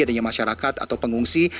adanya masyarakat atau pengungsi